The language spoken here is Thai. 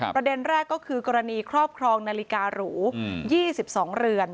ประเด็นแรกก็คือกรณีครอบครองนาฬิการู๒๒เรือน